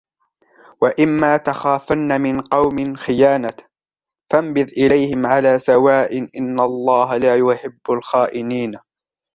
وَإِمَّا تَخَافَنَّ مِنْ قَوْمٍ خِيَانَةً فَانْبِذْ إِلَيْهِمْ عَلَى سَوَاءٍ إِنَّ اللَّهَ لَا يُحِبُّ الْخَائِنِينَ